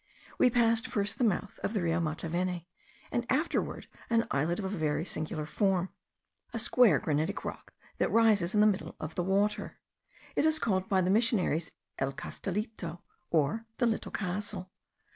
We passed first the mouth of the Rio Mataveni, and afterward an islet of a very singular form; a square granitic rock that rises in the middle of the water. It is called by the missionaries El Castillito, or the Little Castle.